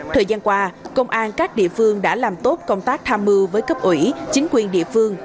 thời gian qua công an các địa phương đã làm tốt công tác tham mưu với cấp ủy chính quyền địa phương